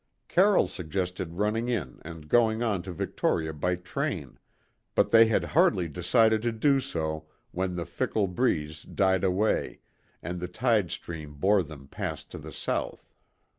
Carroll suggested running in and going on to Victoria by train, but they had hardly decided to do so when the fickle breeze died away, and the tide stream bore them past to the south.